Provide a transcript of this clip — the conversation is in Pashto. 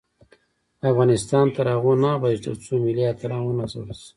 افغانستان تر هغو نه ابادیږي، ترڅو ملي اتلان ونازل شي.